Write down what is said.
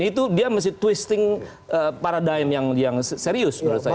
itu dia masih twisting paradigm yang serius menurut saya